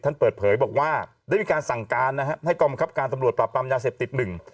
ท่านเปิดเผยบอกว่าได้มีการสั่งการให้กรรมกรับการตำรวจปรับประมาณยาเส็บติด๑